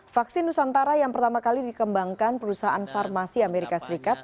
vaksin nusantara yang pertama kali dikembangkan perusahaan farmasi amerika serikat